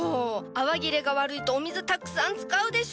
泡切れが悪いとお水たくさん使うでしょ！？